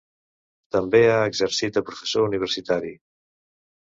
També ha exercit de professor universitari.